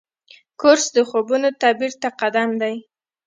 کورس د خوبونو تعبیر ته قدم دی.